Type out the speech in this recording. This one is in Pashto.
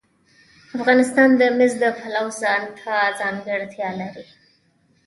افغانستان د مس د پلوه ځانته ځانګړتیا لري.